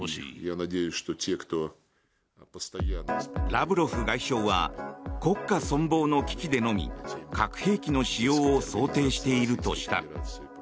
ラブロフ外相は国家存亡の危機でのみ核兵器の使用を想定しているとした。